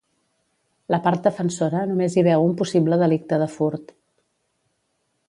La part defensora només hi veu un possible delicte de furt.